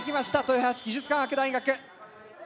豊橋技術科学大学。